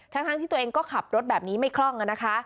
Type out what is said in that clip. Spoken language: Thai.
ทั้งที่ตัวเองก็ขับรถแบบนี้ไม่คล่องนะคะ